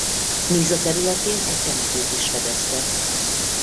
Nisa területén egy temetőt is fedeztek.